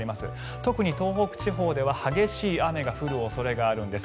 特に東北地方では激しい雨が降る恐れがあるんです。